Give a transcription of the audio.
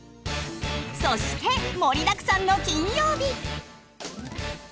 そして盛りだくさんの金曜日。